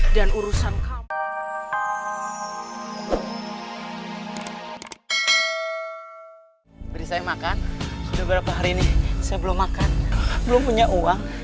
dan urusan kamu